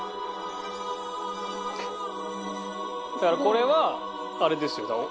だからこれはあれですよ。